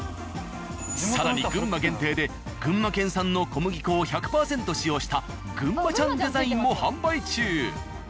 更に群馬限定で群馬県産の小麦粉を１００％使用したぐんまちゃんデザインも販売中。